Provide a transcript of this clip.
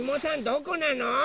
どこなの？